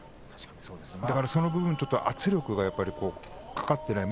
だから、その部分圧力がかかっていない。